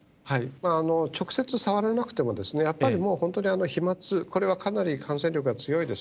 直接触れなくても、やっぱりもう、本当に飛まつ、これはかなり感染力が強いです。